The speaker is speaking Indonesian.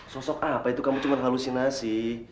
sosok apa itu kamu cuma halusinasi